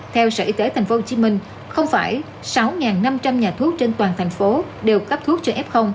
theo sở y tế tp hcm không phải sáu năm trăm linh nhà thuốc trên toàn thành phố đều cấp thuốc cho f